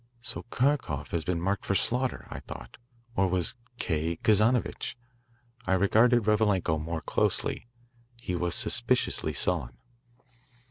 "So Kharkoff had been marked for slaughter," I thought. Or was "K." Kazanovitch? I regarded Revalenko more closely. He was suspiciously sullen.